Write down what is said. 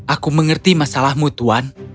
aku mengerti masalahmu tuan